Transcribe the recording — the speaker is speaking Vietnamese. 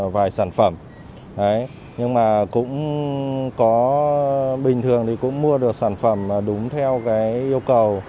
vài sản phẩm nhưng mà cũng có bình thường thì cũng mua được sản phẩm đúng theo cái yêu cầu